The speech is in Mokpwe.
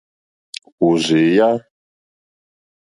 Òrzèèyá.